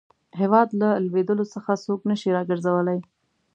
هیواد له لوېدلو څخه څوک نه شي را ګرځولای.